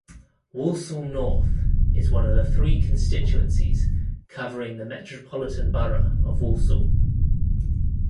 Walsall North is one of three constituencies covering the Metropolitan Borough of Walsall.